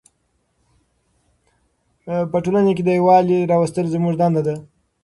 په ټولنه کې د یووالي راوستل زموږ دنده ده.